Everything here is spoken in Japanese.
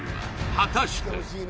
果たして？